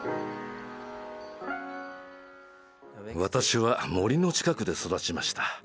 私は森の近くで育ちました。